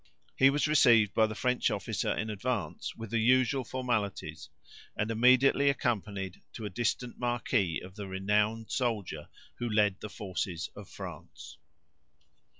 He was received by the French officer in advance with the usual formalities, and immediately accompanied to a distant marquee of the renowned soldier who led the forces of France.